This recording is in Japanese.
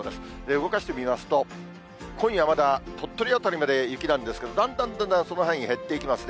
動かしてみますと、今夜まだ鳥取辺りまで雪なんですけど、だんだんだんだん、その範囲減っていきますね。